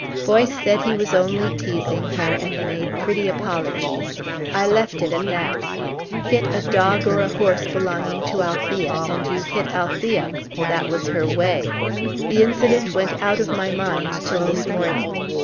Boyce said he was only teasing her and made pretty apologies. I left it at that. Hit a dog or a horse belonging to Althea, and you hit Althea. That was her way. The incident went out of my mind till this morning.